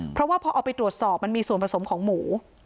เพราะว่าพอเอาไปตรวจสอบมันมีส่วนผสมของหมู